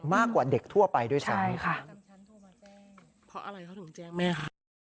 มากกว่าเด็กทั่วไปด้วยซ้ำนั้นค่ะใช่ค่ะ